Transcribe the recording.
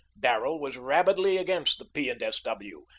Darrell was rabidly against the P. and S. W.